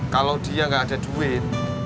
kalau dia nggak ada duit